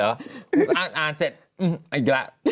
อ่านเสร็จอีกแล้ว